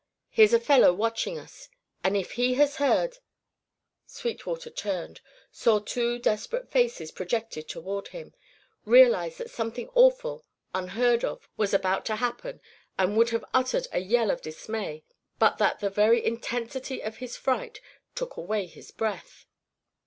Here's a fellow watching us! If he has heard " Sweetwater turned, saw two desperate faces projected toward him, realised that something awful, unheard of, was about to happen, and would have uttered a yell of dismay, but that the very intensity of his fright took away his breath.